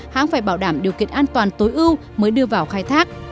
hãng phải bảo đảm điều kiện an toàn tối ưu mới đưa vào khai thác